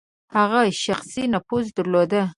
هغه شخصي نفوذ درلود.